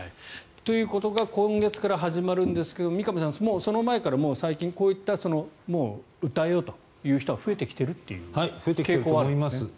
ということが今月から始まるんですが三上さん、その前から最近こういった訴えようという人は増えてきている傾向はあるんですね。